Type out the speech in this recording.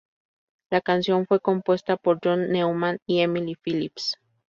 La canción fue compuesta por John Newman y Emily Phillips.